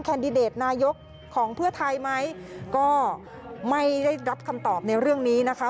ดิเดตนายกของเพื่อไทยไหมก็ไม่ได้รับคำตอบในเรื่องนี้นะคะ